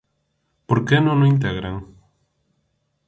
¿Por que non o integran?